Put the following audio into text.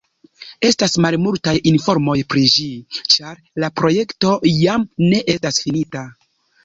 Estas malmultaj informoj pri ĝi, ĉar la projekto jam ne estas finita.